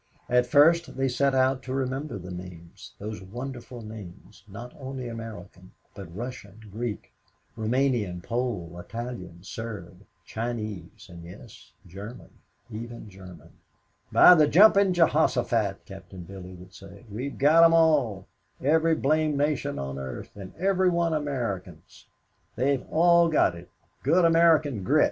At first they set out to remember the names, those wonderful names, not only American, but Russian, Greek, Rumanian, Pole, Italian, Serb, Chinese and yes, German even German. "By the Jumping Jehoshaphat," Captain Billy would say, "we've got them all every blamed nation on earth and every one Americans. They have all got it good American grit.